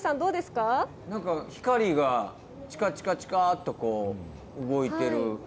なんか光がちかちかちかっとこう、動いてる。